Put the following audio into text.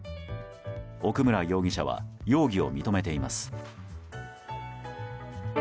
奥村容疑者は容疑を認めています。